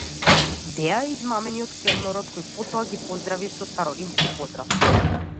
Беа измамени од келнерот, кој потоа ги поздрави со староримски поздрав.